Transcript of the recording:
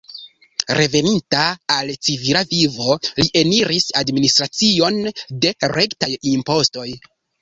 Reveninta al civila vivo, li eniris administracion de rektaj impostoj.